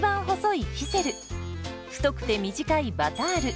太くて短いバタール。